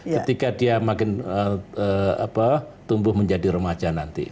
ketika dia makin tumbuh menjadi remaja nanti